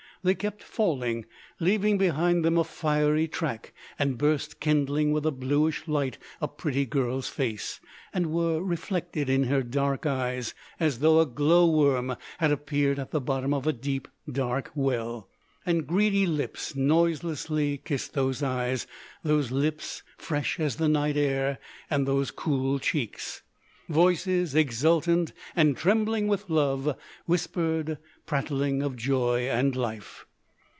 They kept falling, leaving behind them a fiery track, and burst kindling with a bluish light a pretty girl's face, and were reflected in her dark eyes—as though a glow worm had appeared at the bottom of a deep dark well. And greedy lips noiselessly kissed those eyes, those lips fresh as the night air, and those cool cheeks. Voices exultant, and trembling with love, whispered, prattling of joy and life.